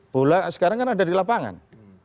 bola sekarang kan ada di lapangan